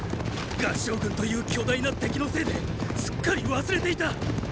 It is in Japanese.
合従軍という巨大な敵のせいですっかり忘れていたっ！